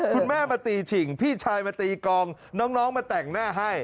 คุณแม่มาตีฉิ่งพี่ชายมาตีกองน้องมาแต่งหน้าให้